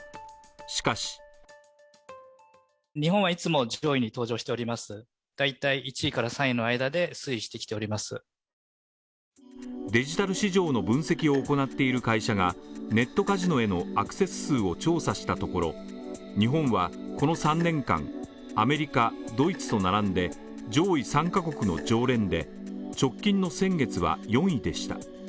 しかしデジタル市場の分析を行っている会社がネットカジノへのアクセス数を調査したところ、日本はこの３年間、アメリカ、ドイツと並んで上位３カ国の常連で、直近の先月は４位でした。